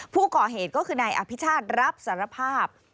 ผู้ก่อเหตุก็คือนายอภิชาติรับสารภาพ